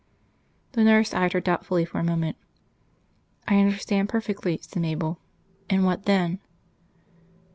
The nurse eyed her doubtfully for a moment. "I understand perfectly," said Mabel. "And what then?"